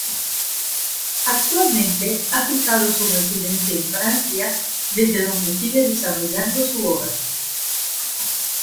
Actualmente ha fijado su residencia en Francia, desde donde sigue desarrollando su obra.